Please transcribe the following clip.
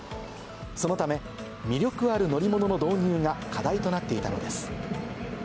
そのため、魅力ある乗り物の導入が課題となっていたのです。